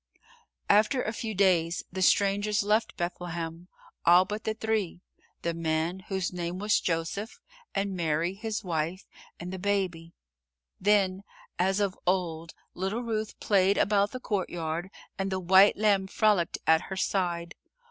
After a few days, the strangers left Bethlehem, all but the three the man, whose name was Joseph, and Mary, his wife, and the Baby. Then, as of old, little Ruth played about the courtyard and the white lamb frolicked at her side.